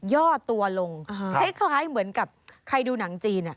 ่อตัวลงคล้ายเหมือนกับใครดูหนังจีน